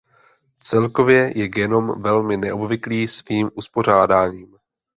Celkově je genom velmi neobvyklý svým uspořádáním.